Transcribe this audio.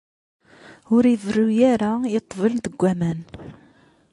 Ur iberru ara i ṭṭbel deg waman.